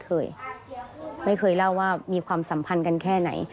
เพื่อที่จะได้หายป่วยทันวันที่เขาชีจันทร์จังหวัดชนบุรี